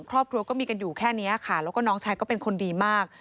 ครอบครัวก็มีกันอยู่แค่นี้ค่ะแล้วก็น้องชายก็เป็นคนดีมาก